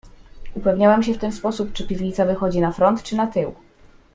"Upewniałem się w ten sposób, czy piwnica wychodzi na front, czy na tył."